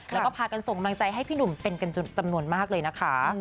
แล้วก็พากันส่งกำลังใจให้พี่หนุ่มเป็นกันจำนวนมากเลยนะคะ